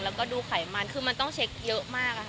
แล้วก็ดูไขมันคือมันต้องเช็คเยอะมาก